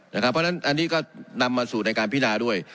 เพราะฉะนั้นอันนี้ก็นำมาสู่ในการพินาด้วย